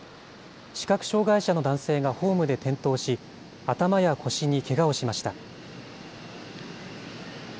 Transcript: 視覚障害者の男性がホームで転倒し、頭や腰にけがをしました。